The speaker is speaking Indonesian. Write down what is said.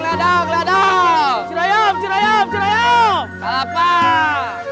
cirebun cirebun cirebun